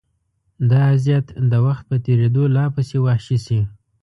دا اذیت د وخت په تېرېدو لا پسې وحشي شي.